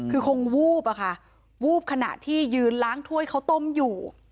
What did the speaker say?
คือคงวูบอะค่ะวูบขณะที่ยืนล้างถ้วยข้าวต้มอยู่